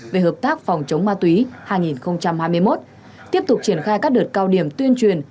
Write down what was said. về hợp tác phòng chống ma túy hai nghìn hai mươi một tiếp tục triển khai các đợt cao điểm tuyên truyền